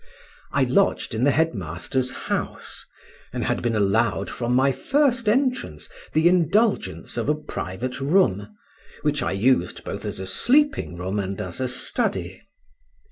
I lodged in the head master's house, and had been allowed from my first entrance the indulgence of a private room, which I used both as a sleeping room and as a study.